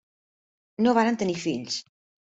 No varen tenir fills.